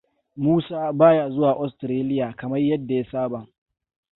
Musa baya zuwa Ostraliya kamar yadda ya saba.